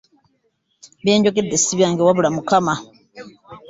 Bye njogedde si byange wabula Mukama.